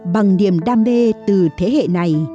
bằng điểm đam mê từ thế hệ này